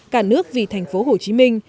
cả nước vì thành phố hồ chí minh